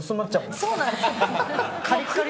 そうなんですよ。